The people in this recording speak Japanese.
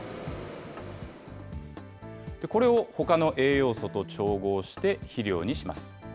これをほかの栄養素と調合して、肥料にします。